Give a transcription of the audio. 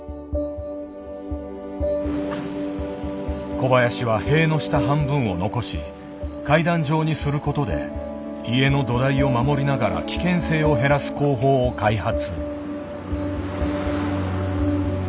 小林は塀の下半分を残し階段状にすることで家の土台を守りながら危険性を減らす工法を開発。